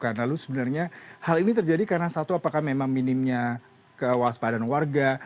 karena lu sebenarnya hal ini terjadi karena satu apakah memang minimnya kewaspadaan warga